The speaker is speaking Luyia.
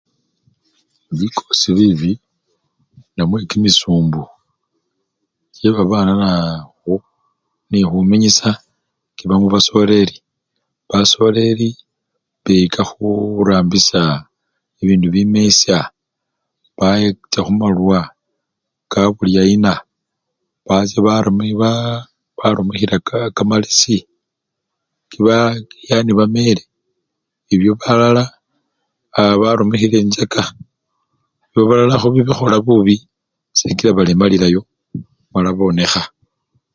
Bikosi bibi namwe kimisumbu kyebabana naa! khu! nikhuminyisha kiba mubasoleli, basoleli beyika khuuu-rambisha bibindu bimesha baacha khumalwa kabuli ayina, bacha barumi-baaa-barumikhila kamalesi kia! yani bamele ilyo balala ba barumikhila enjjaka ilyo balala khabibakhola bubi sikila balemalilayo mala bonekha.